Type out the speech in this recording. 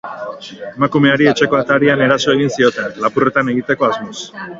Emakumeari etxeko atarian eraso egin zioten, lapurretan egiteko asmoz.